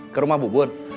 ke rumah bu bun